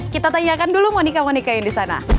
kita tanyakan dulu monika monika yang di sana